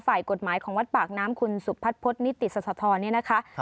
ฝ่ายกฎหมายของวัดปากน้ำคุณสุพัฒนพฤษนิติสธรเนี่ยนะคะ